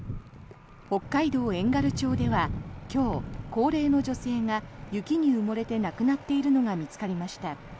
北海道遠軽町では今日、高齢の女性が雪に埋もれて亡くなっているのが見つかりました。